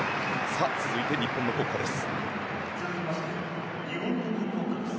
続いて日本の国歌です。